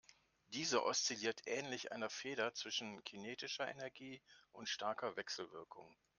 Diese oszilliert ähnlich einer Feder zwischen kinetischer Energie und starker Wechselwirkung.